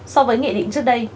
so với nghị định trước đây